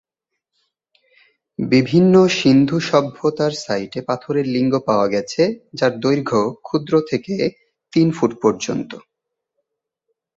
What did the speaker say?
বিভিন্ন সিন্ধু সভ্যতার সাইটে পাথরের লিঙ্গ পাওয়া গেছে যার দৈর্ঘ্য ক্ষুদ্র থেকে তিন ফুট পর্যন্ত।